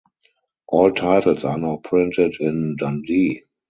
All titles are now printed in Dundee.